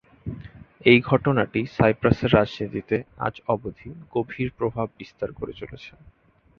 এই ঘটনাটি সাইপ্রাসের রাজনীতিতে আজ অবধি গভীর প্রভাব বিস্তার করে চলেছে।